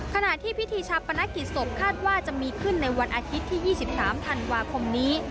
ขณะที่พิธีชาปนกิจศพคาดว่าจะมีขึ้นในวันอาทิตย์ที่๒๓ธันวาคมนี้